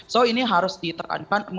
jadi ini harus ditekankan